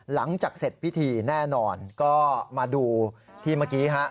หลังจากเสร็จพิธีแน่นอนก็มาดูที่เมื่อกี้ฮะ